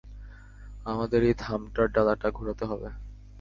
আমাদের এই থামটার ডালাটা ঘোরাতে হবে!